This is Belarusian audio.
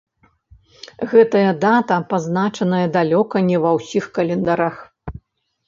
Гэтая дата пазначаная далёка не ва ўсіх календарах.